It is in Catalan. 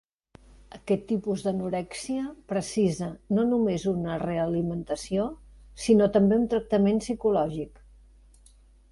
Aquest tipus d'anorèxia precisa no només una realimentació, sinó també un tractament psicològic.